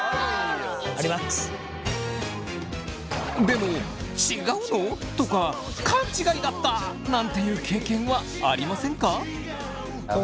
でも「違うの？」とか「勘違いだった！」なんていう経験はありませんか？